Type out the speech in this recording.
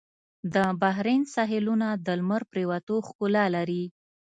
د بحرین ساحلونه د لمر پرېوتو ښکلا لري.